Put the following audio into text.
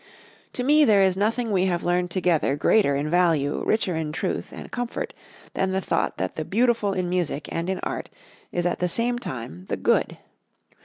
To me there is nothing we have learned together greater in value, richer in truth and comfort than the thought that the beautiful in music and in art is at the same time the good.